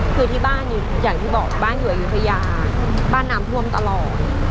คือที่บ้านอย่างที่บอกบ้านอยู่อายุทยาบ้านน้ำท่วมตลอด